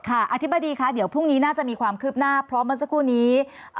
อธิบดีค่ะเดี๋ยวพรุ่งนี้น่าจะมีความคืบหน้าเพราะเมื่อสักครู่นี้